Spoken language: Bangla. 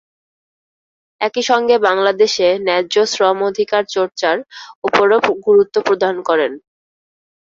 একই সঙ্গে বাংলাদেশে ন্যায্য শ্রম অধিকার চর্চার ওপরও গুরুত্ব প্রদান করেন।